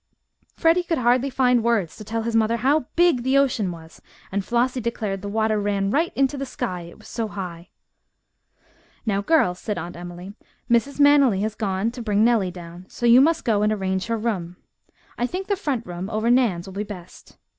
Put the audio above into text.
Freddie could hardly find words to tell his mother how big the ocean was, and Flossie declared the water ran right into the sky it was so high. "Now, girls," said Aunt Emily, "Mrs. Manily has gone to bring Nellie down, so you must go and arrange her room. I think the front room over Nan's will be best.